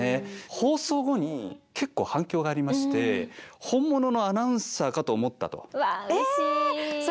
放送後に結構反響がありまして本物のアナウンサーかと思ったと。